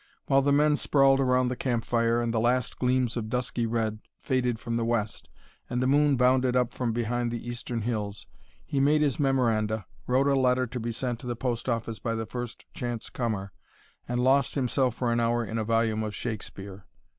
While the men sprawled around the campfire and the last gleams of dusky red faded from the west and the moon bounded up from behind the eastern hills, he made his memoranda, wrote a letter to be sent to the post office by the first chance comer, and lost himself for an hour in a volume of Shakespeare.